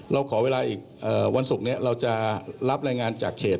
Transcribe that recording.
เราขอเวลาอีกวันศุกร์นี้เราจะรับรายงานจากเขต